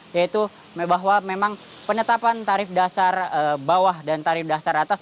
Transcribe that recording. yaitu bahwa memang penetapan tarif dasar bawah dan tarif dasar atas